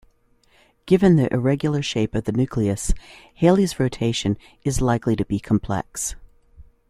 Given the irregular shape of the nucleus, Halley's rotation is likely to be complex.